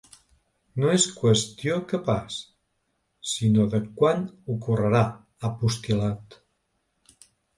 “No és qüestió que pas, sinó de quan ocorrerà”, ha postil·lat.